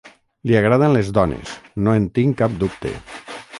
Li agraden les dones, no en tinc cap dubte.